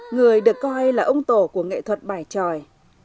người được coi là ông tổ của nghệ thuật bài tròi